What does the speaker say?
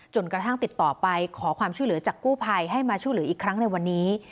กระทั่งติดต่อไปขอความช่วยเหลือจากกู้ภัยให้มาช่วยเหลืออีกครั้งในวันนี้